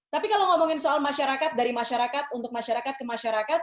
tapi kalau ngomongin soal masyarakat dari masyarakat untuk masyarakat ke masyarakat